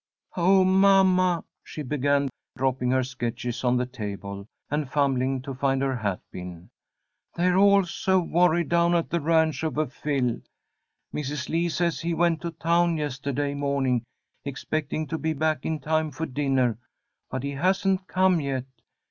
"Oh, mamma!" she began, dropping her sketches on the table, and fumbling to find her hat pin. "They're all so worried down at the ranch, over Phil! Mrs. Lee says he went to town yesterday morning, expecting to be back in time for dinner, but he hasn't come yet.